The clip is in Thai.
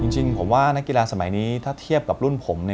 จริงผมว่านักกีฬาสมัยนี้ถ้าเทียบกับรุ่นผม